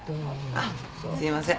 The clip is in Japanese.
あっすいません。